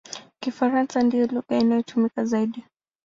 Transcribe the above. Kifaransa ndiyo lugha inayotumika zaidi.